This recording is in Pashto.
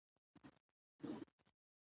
د ایوب خان نوم به ځلانده پاتې سوی وي.